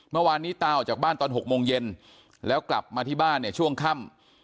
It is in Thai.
เมื่อวานนี้ตาออกจากบ้านตอน๖โมงเย็นแล้วกลับมาที่บ้านเนี่ยช่วงค่ำ